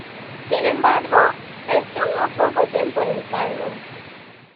Sin embargo, estuvo poco tiempo en el cargo.